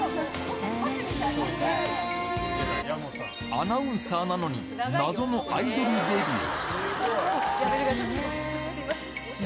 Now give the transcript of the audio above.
アナウンサーなのに、謎のアイドルデビュー。